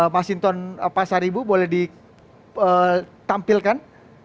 mas hinton pasaribu boleh ditampilkan